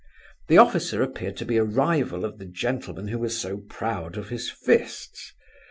The officer appeared to be a rival of the gentleman who was so proud of his fists.